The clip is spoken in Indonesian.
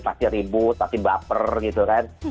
pasti ribut pasti baper gitu kan